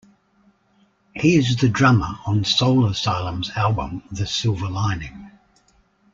He is the drummer on Soul Asylum's album "The Silver Lining".